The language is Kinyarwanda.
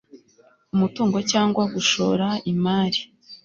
umutungo cyangwa gushora imari